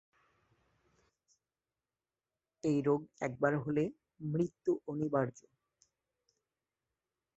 এই রোগ একবার হলে মৃত্যু অনিবার্য।